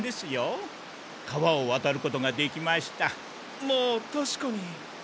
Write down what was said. まあたしかに。